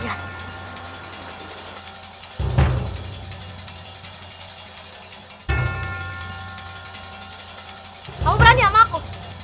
kamu berani sama aku